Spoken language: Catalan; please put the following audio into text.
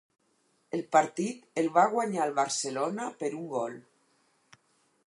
El partit el va guanyar el Barcelona per un gol.